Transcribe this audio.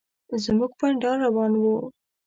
زموږ بنډار روان و.